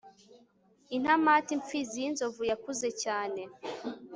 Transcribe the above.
intamati imfizi y'inzovu yakuze cyane